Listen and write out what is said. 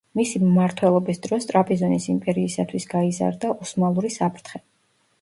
მისი მმართველობის დროს ტრაპიზონის იმპერიისათვის გაიზარდა ოსმალური საფრთხე.